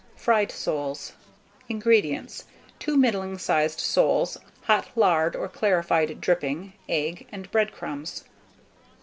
FRIED SOLES. 327. INGREDIENTS. 2 middling sized soles, hot lard or clarified dripping, egg, and bread crumbs.